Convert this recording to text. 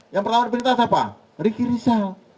yang pertama perintah siapa riki rizal